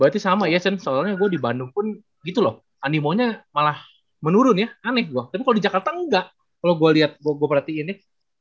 berarti sama ya shan soalnya gue di bandung pun gitu loh animonya malah menurun ya aneh gue tapi kalau di jakarta enggak kalau gue lihat gue berarti ini